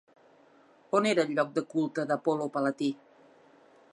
On era el lloc de culte d'Apol·lo Palatí?